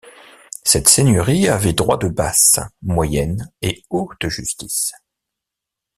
Cette seigneurie avait droit de basse, moyenne et haute justice.